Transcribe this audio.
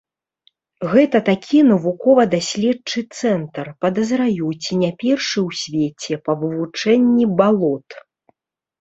Гэта такі навукова-даследчы цэнтр, падазраю, ці не першы ў свеце, па вывучэнні балот.